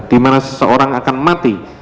dimana seseorang akan mati